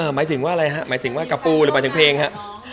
หมายถึงว่าอะไรฮะหมายถึงว่ากะปูหรือหมายถึงเพลงครับ